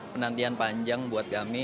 penantian panjang buat kami